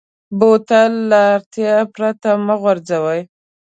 بوتل له اړتیا پرته مه غورځوه.